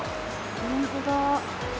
本当だ。